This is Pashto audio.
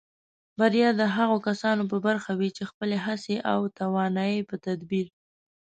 بریا د هغو کسانو په برخه وي چې خپلې هڅې او توانایۍ په تدبیر